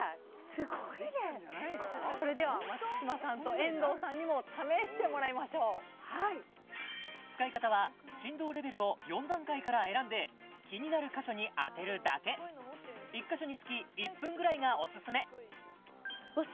すごいねそれでは松嶋さんと遠藤さんにも試してもらいましょうはい使い方は振動レベルを４段階から選んで気になる箇所に当てるだけ１カ所につき１分ぐらいがオススメうわっ